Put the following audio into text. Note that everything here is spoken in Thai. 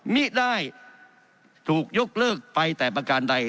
ไม่ได้ถูกยกเลิกไปแต่ประการใด